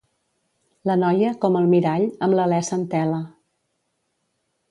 La noia, com el mirall, amb l'alè s'entela.